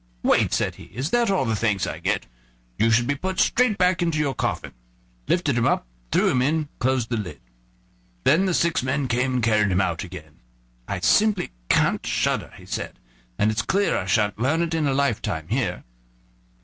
"What!" said he, "is that all the thanks I get? You should be put straight back into your coffin," lifted him up, threw him in, and closed the lid. Then the six men came and carried him out again. "I simply can't shudder," he said, "and it's clear I sha'n't learn it in a lifetime here."